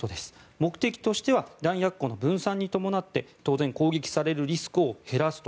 目的としては弾薬庫の分散に伴って当然、攻撃されるリスクを減らすと。